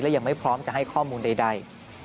ยังไม่พร้อมจะให้ข้อมูลใด